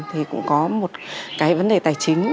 thì cũng có một cái vấn đề tài chính